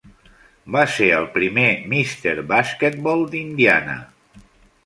Va ser el primer "Mr. Basketball" d'Indiana.